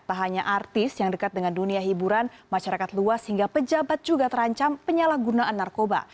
tak hanya artis yang dekat dengan dunia hiburan masyarakat luas hingga pejabat juga terancam penyalahgunaan narkoba